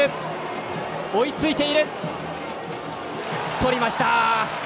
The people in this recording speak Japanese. とりました。